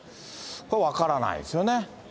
分からないですよね。